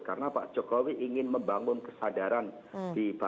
karena pak jokowi ingin membangun kesadaran di batin rakyat